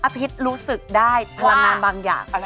อภิษรู้สึกได้พอนานบางอย่าง